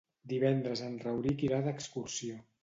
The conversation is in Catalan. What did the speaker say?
Divendres en Rauric irà d'excursió.